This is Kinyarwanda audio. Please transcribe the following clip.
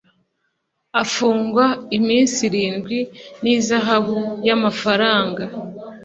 afungwa iminsi irindwi n ihazabu y amafaranga